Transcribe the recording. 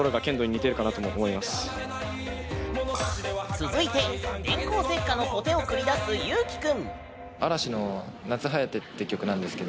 続いて、電光石火の小手を繰り出すユウキ君。